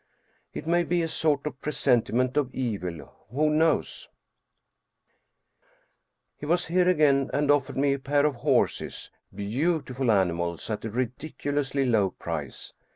It may be a sort of presenti ment of evil ; who knows ? He was here again and offered me a pair of horses beautiful animals at a ridiculously low price.